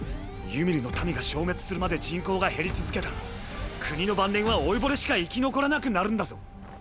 ユミルの民が消滅するまで人口が減り続けたら国の晩年は老いぼれしか生き残らなくなるんだぞ？